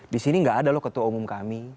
disini gak ada loh ketua umum kami